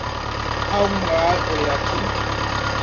Há uma árvore aqui